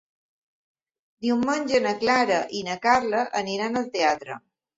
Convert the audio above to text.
Diumenge na Clara i na Carla iran al teatre.